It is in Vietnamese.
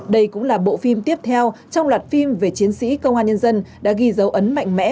đây cũng là bộ phim tiếp theo trong loạt phim về chiến sĩ công an nhân dân đã ghi dấu ấn mạnh mẽ